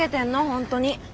本当に。